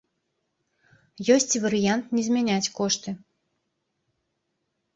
Ёсць і варыянт не змяняць кошты.